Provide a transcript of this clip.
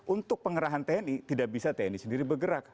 untuk pengerahan tni tidak bisa tni sendiri bergerak